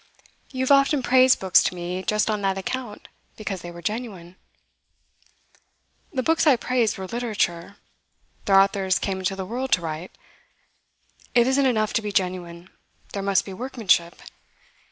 You have often praised books to me just on that account because they were genuine.' 'The books I praised were literature. Their authors came into the world to write. It isn't enough to be genuine; there must be workmanship.